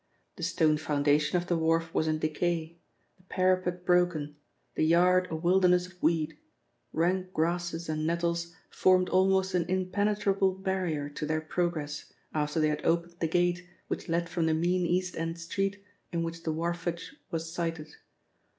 The stone foundation of the wharf was in decay, the parapet broken, the yard a wilderness of weed; rank grasses and nettles formed almost an impenetrable barrier to their progress after they had opened the gate which led from the mean east end street in which the wharfage was cited.